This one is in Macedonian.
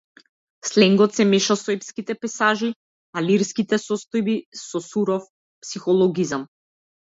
Сленгот се меша со епските пејзажи, а лирските состојби со суров психологизам.